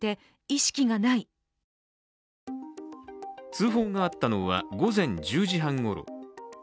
通報があったのは午前１０時半ごろ。